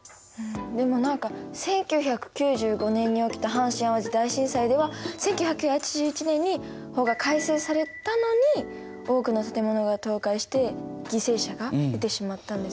でも何か１９９５年に起きた阪神・淡路大震災では１９８１年に法が改正されたのに多くの建物が倒壊して犠牲者が出てしまったんですよね。